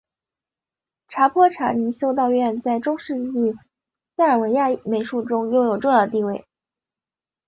索泼查尼修道院在中世纪塞尔维亚美术中拥有重要地位。